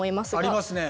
ありますね。